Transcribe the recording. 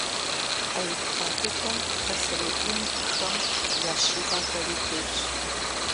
А итхъа дыдэм пасэрей инкхэм я Щимэхэри тетщ.